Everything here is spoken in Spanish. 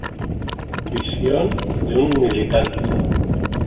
Visión de un Militante".